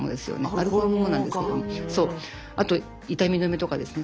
アルコールもなんですけどもそうあと痛み止めとかですね